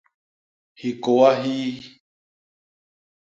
Hikôa hii.